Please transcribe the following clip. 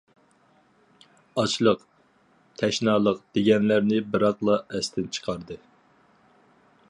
ئاچلىق، تەشنالىق. دېگەنلەرنى بىراقلا ئەستىن چىقاردى.